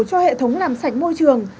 cho hệ thống làm sạch môi trường